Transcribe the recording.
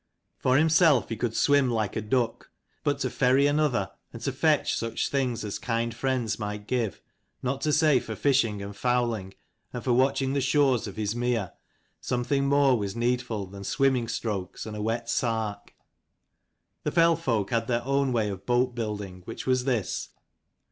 For himself, he could swim like a duck : but to ferry another, and to fetch such things as kind friends might give, not to say for fishing and fowling, and for watching the shores of his mere, something more was needful than swim ming strokes and a wet sark. The fell folk had their own old way of boat building, which was this.